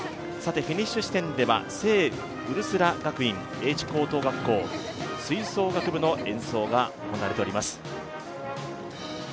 フィニッシュ地点では聖ウルスラ学院英智高等学校、吹奏楽部の演奏が行われております。